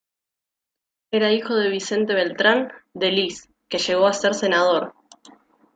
Era hijo de Vicente Bertrán de Lis, que llegó a ser senador.